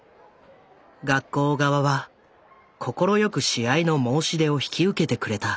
学校側は快く試合の申し出を引き受けてくれた。